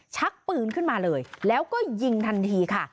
ชักปืนขึ้นมาเลยแล้วก็ยิงทันทีค่ะ